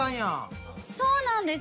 そうなんです。